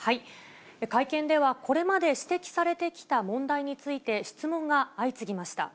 会見ではこれまで指摘されてきた問題について質問が相次ぎました。